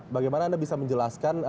bagaimana anda bisa menjelaskan